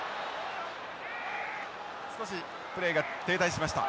少しプレーが停滞しました。